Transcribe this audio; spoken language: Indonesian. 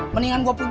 mendingan gue pergi